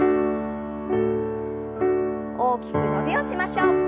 大きく伸びをしましょう。